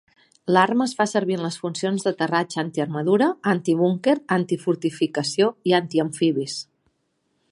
L'arma es fa servir en les funcions d"aterratge anti-armadura, anti-búnquer, anti-fortificació i anti-amfibis.